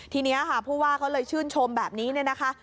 ทีนี้ค่ะผู้ว่าเขาเลยชื่นชมแบบนี้เนี่ยนะคะ